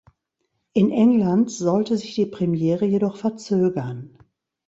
In England sollte sich die Premiere jedoch verzögern.